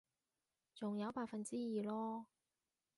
仲有百分之二囉